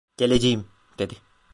"Geleceğim!" dedi.